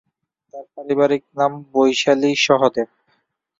তার পারিবারিক নাম বৈশালী সহদেব।